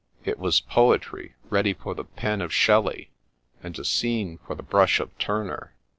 It was poetry ready for the pen of Shelley, and a scene for the brush of Turner.